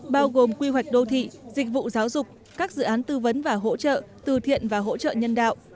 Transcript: bao gồm quy hoạch đô thị dịch vụ giáo dục các dự án tư vấn và hỗ trợ từ thiện và hỗ trợ nhân đạo